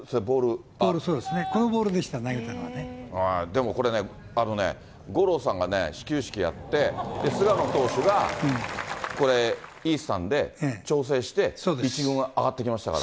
そうですね、このボールでしでもこれね、五郎さんがね、始球式やって、菅野投手がこれ、イースタンで調整して、１軍上がってきましたから。